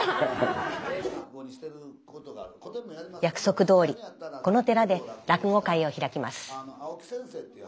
約束どおりこの寺で落語会を開きます。